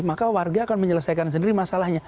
maka warga akan menyelesaikan sendiri masalahnya